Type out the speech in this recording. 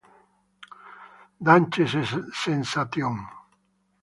Dance Sensation!